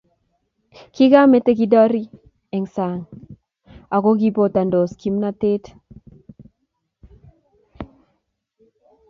Kikameto kidari eng sang ako kiibotandos kimnatet